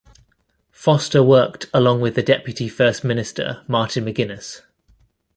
Foster worked along with the deputy First Minister Martin McGuinness.